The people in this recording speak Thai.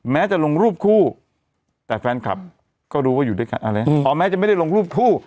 จะลงรูปคู่แต่แฟนคลับก็รู้ว่าอยู่ด้วยกันพอแม้จะไม่ได้ลงรูปคู่